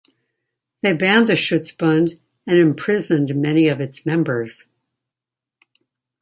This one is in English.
They banned the Schutzbund and imprisoned many of its members.